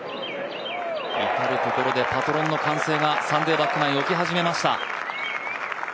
至るところでパトロンの歓声がサンデーバックナイン、起き始めました。